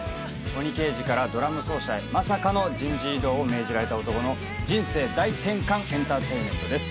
鬼刑事からドラム奏者へまさかの人事異動を命じられた男の人生大転換エンターテインメントです